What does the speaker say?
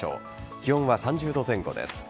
気温は３０度前後です。